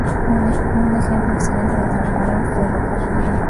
Un ejemplo excelente del trabajador ferrocarrilero.